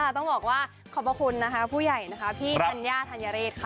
ต้องบอกว่าขอบพระคุณนะคะผู้ใหญ่นะคะพี่ธัญญาธัญเรศค่ะ